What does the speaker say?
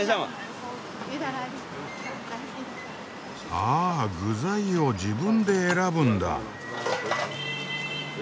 ああ具材を自分で選ぶんだ！